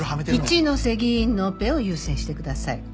一ノ瀬議員のオペを優先してください。